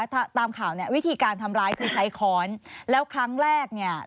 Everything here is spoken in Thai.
ถ้าตามข่าวเนี่ยวิธีการทำร้ายคือใช้ค้อนแล้วครั้งแรกเนี่ย